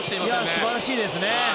素晴らしいですね。